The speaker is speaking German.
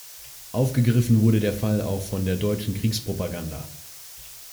Aufgegriffen wurde der Fall auch von der deutschen Kriegspropaganda.